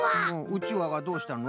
うちわがどうしたの？